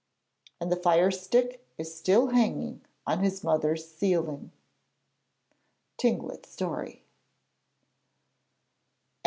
And the fire stick is still hanging on his mother's ceiling. [_Tlingit story.